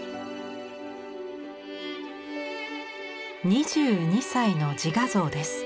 ２２歳の自画像です。